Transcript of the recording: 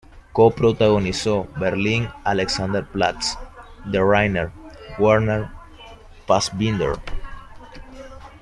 Co-protagonizó "Berlin Alexanderplatz", de Rainer Werner Fassbinder.